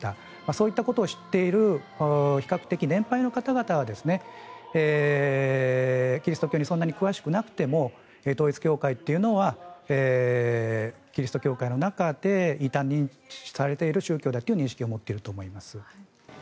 そういったことを知っている比較的、年配の方々はキリスト教にそんなに詳しくなくても統一教会というのはキリスト教会の中で異端認知されている宗教だという認識を持っていると思います。